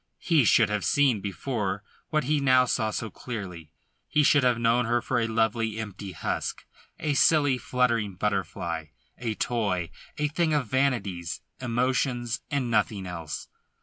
He should have seen before what he now saw so clearly. He should have known her for a lovely, empty husk; a silly, fluttering butterfly; a toy; a thing of vanities, emotions, and nothing else.